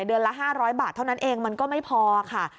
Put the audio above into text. เดือนละ๕๐๐บาทเท่านั้นเองมันก็ไม่พอค่ะ